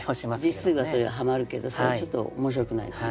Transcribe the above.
字数がそれははまるけどそれはちょっと面白くないよね。